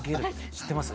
知ってます？